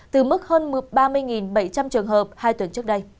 từ mức hơn ba mươi bảy trăm linh trường hợp hai tuần trước đây